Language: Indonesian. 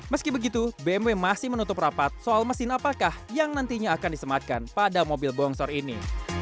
meski begitu bmw masih menutup rapat soal mesin apakah yang nantinya akan disematkan pada mobil bongsor ini